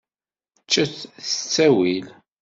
Ččet s ttawil.